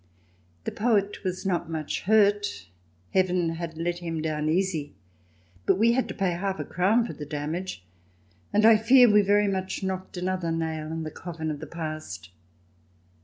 The poet was not much hurt — Heaven had let him down easy — but we had to pay half a crown for the damage, and I fear we very much knocked another nail in the coffin of the past.